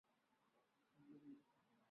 加尔拉韦。